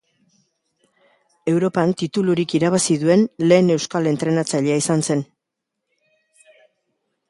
Europan titulurik irabazi duen lehen euskal entrenatzailea izan zen.